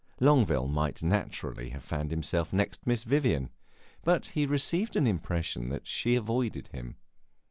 Longueville might naturally have found himself next Miss Vivian, but he received an impression that she avoided him.